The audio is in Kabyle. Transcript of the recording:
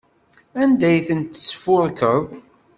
Anda ay ten-tesfurkeḍ?